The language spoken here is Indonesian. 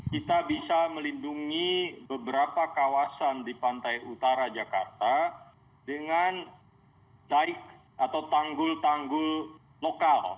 kita bisa melindungi beberapa kawasan di pantai utara jakarta dengan baik atau tanggul tanggul lokal